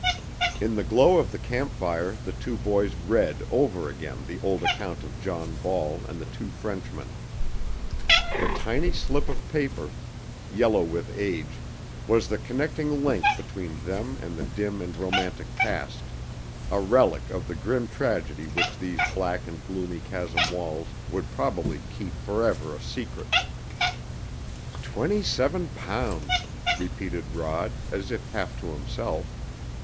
In the glow of the camp fire the two boys read over again the old account of John Ball and the two Frenchmen. The tiny slip of paper, yellow with age, was the connecting link between them and the dim and romantic past, a relic of the grim tragedy which these black and gloomy chasm walls would probably keep for ever a secret. "Twenty seven pounds," repeated Rod, as if half to himself.